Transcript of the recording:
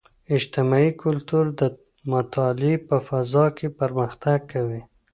اجتماعي کلتور د مطالعې په فضاء کې پرمختګ کوي.